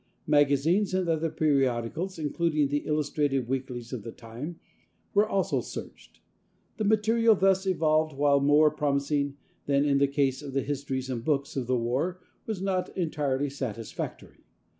Magazines and other periodicals, including the illustrated weeklies of the time, were also searched. The material thus evolved while more promising than in the case of the histories and books of the war was not entirely satisfactory.